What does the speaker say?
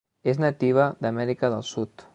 És nativa d'Amèrica del Sud.